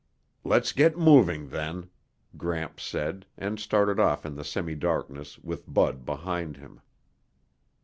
"Let's get moving, then," Gramps said, and started off in the semidarkness with Bud behind him.